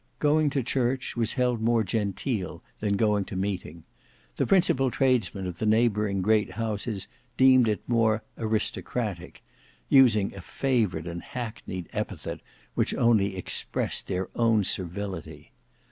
Going to church was held more genteel than going to meeting. The principal tradesmen of the neighbouring great houses deemed it more "aristocratic;" using a favourite and hackneyed epithet which only expressed their own servility.